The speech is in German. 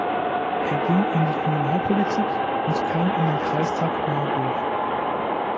Er ging in die Kommunalpolitik und kam in den Kreistag Marburg.